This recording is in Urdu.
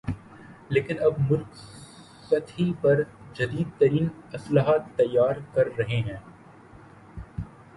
لیکن اب ملک سطحی پر جدیدترین اسلحہ تیار کررہے ہیں